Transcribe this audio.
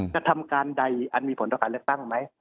กระทำการใดอันมีผลต่อการเลือกตั้งไหม